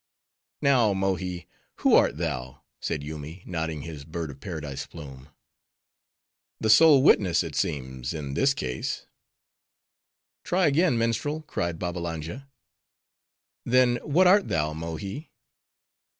"Now, Mohi, who art thou?" said Yoomy, nodding his bird of paradise plume. "The sole witness, it seems, in this case." "Try again minstrel," cried Babbalanja. "Then, what art thou, Mohi?"